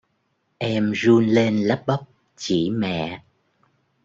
em run lên lắp bắp chỉ mẹ